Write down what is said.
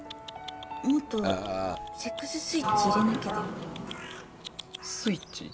もっとセックススイッチ入れなきゃだよねスイッチ？